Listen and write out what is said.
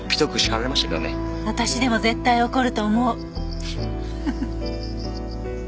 私でも絶対怒ると思う。